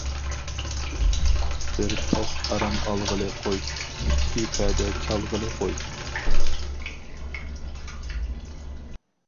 بىر پەس ئارام ئالغىلى قوي، ئىككى پەدە چالغىلى قوي.